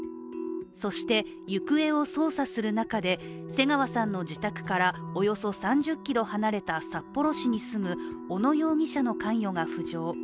そして、行方を捜査する中で瀬川さんの自宅からおよそ３０ｋｍ離れた札幌市に住む小野容疑者の関与が浮上。